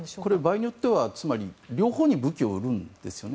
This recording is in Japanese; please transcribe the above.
場合によっては両方に武器を売るんですよね。